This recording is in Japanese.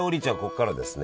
ここからですね